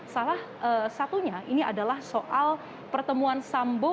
salah satunya ini adalah soal pertemuan sambo